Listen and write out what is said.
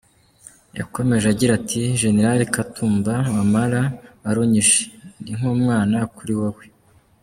Yakomeje agira ati : “Gen katumba Wamala wari unyishe, ndi nk’umwana kuri wowe.